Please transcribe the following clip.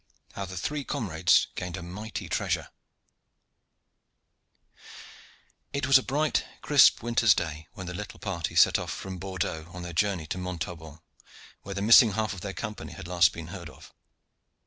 HOW THE THREE COMRADES GAINED A MIGHTY TREASURE It was a bright, crisp winter's day when the little party set off from Bordeaux on their journey to Montaubon, where the missing half of their Company had last been heard of.